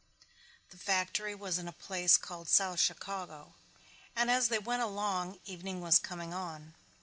The factory was in a place called South Chicago and as they went along evening was coming on.